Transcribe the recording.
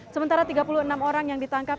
sementara tiga puluh enam orang yang ditangkap